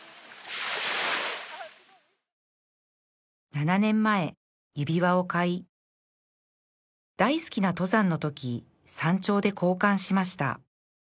７年前指輪を買い大好きな登山のとき山頂で交換しました